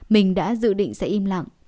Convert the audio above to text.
mình đã dự định sẽ im lặng